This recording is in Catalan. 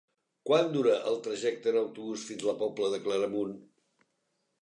Quant dura el trajecte en autobús fins a la Pobla de Claramunt?